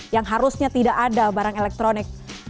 yang harusnya tidak ada barang elektronik